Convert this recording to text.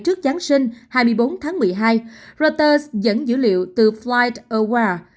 trước giáng sinh hai mươi bốn tháng một mươi hai reuters dẫn dữ liệu từ flightaware